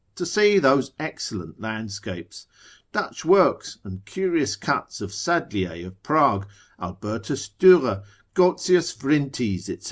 to see those excellent landscapes, Dutch works, and curious cuts of Sadlier of Prague, Albertus Durer, Goltzius Vrintes, &c.